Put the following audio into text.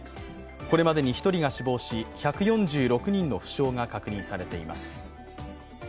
これまでに１人が死亡し１４６人の負傷が確認されています。